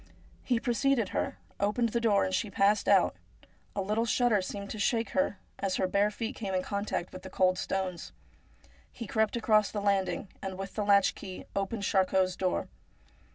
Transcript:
He preceded her, opened the door and she passed out ; a little shudder seemed to shake her as her bare feet came in contact with the cold stones. He crept across the landing, and with the latch key opened Charcot's door.